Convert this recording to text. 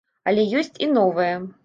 Але ёсць і новае.